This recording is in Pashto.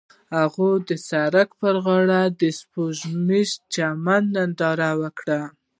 هغوی د سړک پر غاړه د سپوږمیز چمن ننداره وکړه.